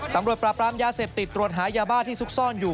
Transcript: ตำรวจปราบรามยาเสพติดตรวจหายาบ้าที่ซุกซ่อนอยู่